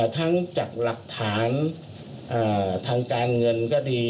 ทั้งจากหลักฐานทางการเงินก็ดี